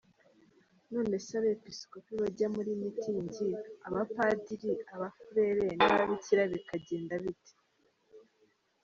None se abepiskopi bajya muri mitingi abapadiri, abafurere n’ababikira bikagenda bite?